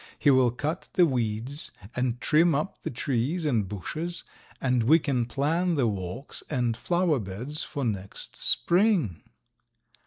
He will cut the weeds and trim up the trees and bushes, and we can plan the walks and flower beds for next spring."